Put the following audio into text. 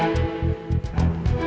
gak akan kecil